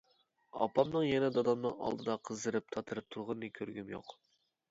ئاپامنىڭ يەنە دادامنىڭ ئالدىدا قىزىرىپ تاتىرىپ تۇرغىنىنى كۆرگۈم يوق!